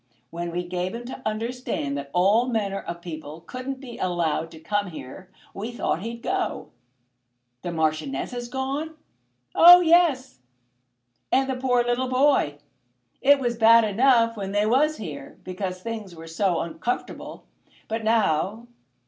When we gave him to understand that all manner of people couldn't be allowed to come here, we thought he'd go." "The Marchioness has gone?" "Oh yes; and the poor little boy. It was bad enough when they was here, because things were so uncomfortable; but now